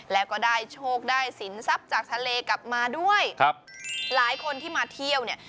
แล้วก็ได้โชคได้สินทรัพย์จากทะเลกลับมาด้วยครับหลายคนที่มาเที่ยวเนี่ย